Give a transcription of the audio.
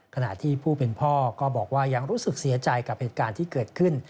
ขณะที่ผู้เป็นพ่อก็บอกว่ายังรู้สึกเสียใจกับเหตุการณ์ที่เกิดขึ้น